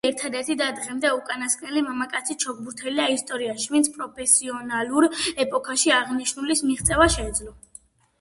იგი ერთადერთი და დღემდე უკანასკნელი მამაკაცი ჩოგბურთელია ისტორიაში, ვინც პროფესიონალურ ეპოქაში აღნიშნულის მიღწევა შეძლო.